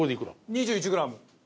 ２１グラム。